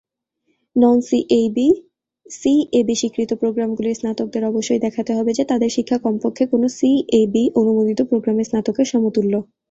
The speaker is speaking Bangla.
নন-সিইএবি-স্বীকৃত প্রোগ্রামগুলির স্নাতকদের অবশ্যই দেখাতে হবে যে তাদের শিক্ষা কমপক্ষে কোনও সিইএবি-অনুমোদিত প্রোগ্রামের স্নাতকের সমতুল্য।